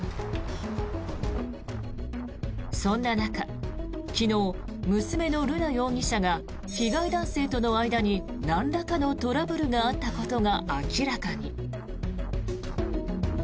そんな中、昨日娘の瑠奈容疑者が被害男性との間になんらかのトラブルがあったことが明らかに。